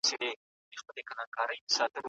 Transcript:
مطالعې ته باید د ضرورت په سترګه وکتل سي.